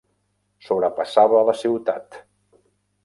Sobrepassava la ciutat.